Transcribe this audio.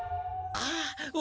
ああ。